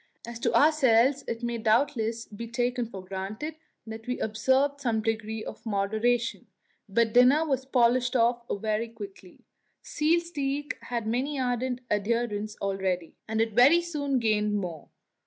As to ourselves, it may doubtless be taken for granted that we observed some degree of moderation, but dinner was polished off very quickly. Seal steak had many ardent adherents already, and it very soon gained more.